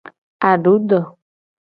Adu do.